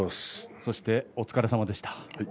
そしてお疲れさまでした。